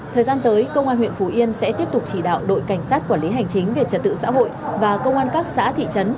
thời gian tới công an huyện phú yên sẽ tiếp tục chỉ đạo đội cảnh sát quản lý hành chính về trật tự xã hội và công an các xã thị trấn